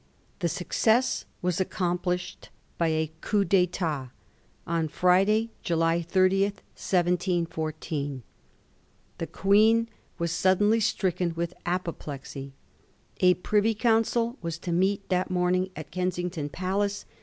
The success was accomplished by a coup ditat on Friday, July 80, 1714. The Queen was suddenly stricken with apoplexy. A Privy Council was to meet that morning at Kensington Palace.